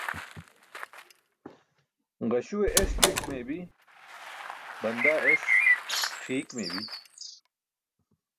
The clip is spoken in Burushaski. Ġaśu es c̣ik meybi, bandaa es c̣ʰik meybi.